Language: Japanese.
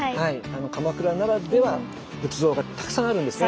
鎌倉ならではの仏像がたくさんあるんですね。